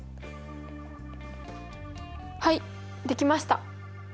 はいできました。